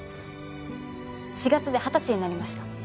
４月で二十歳になりました。